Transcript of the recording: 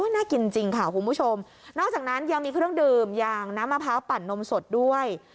น่ากินจริงค่ะคุณผู้ชมนอกจากนั้นยังมีเครื่องดื่มอย่างน้ำมะพร้าวปั่นนมสดด้วย